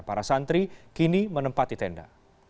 para santri kini menempati tenda